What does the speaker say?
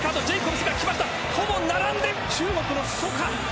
ほぼ並んで、中国のソか。